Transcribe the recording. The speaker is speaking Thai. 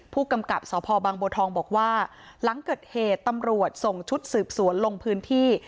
ผู้กำกับสพบังบัวทองบอกว่าหลังเกิดเหตุตำรวจส่งชุดสืบสวนลงพื้นที่